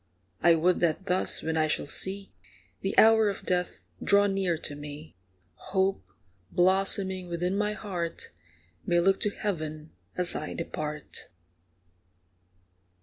I would that thus, when I shall see The hour of death draw near to me, Hope, blossoming within my heart, May look to heaven as I depart.